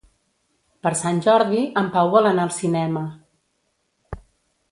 Per Sant Jordi en Pau vol anar al cinema.